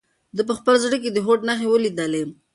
ده په خپل زړه کې د هوډ نښې ولیدلې.